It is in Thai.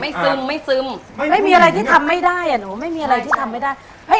ซึมไม่ซึมไม่มีอะไรที่ทำไม่ได้อ่ะหนูไม่มีอะไรที่ทำไม่ได้เฮ้ย